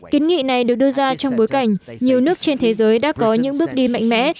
kiến nghị này được đưa ra trong bối cảnh nhiều nước trên thế giới đã có những bước đi mạnh mẽ